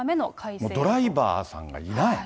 ドライバーさんがいない。